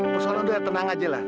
pusul undur air tenang aja lah